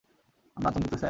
আমরা আতঙ্কিত, স্যার।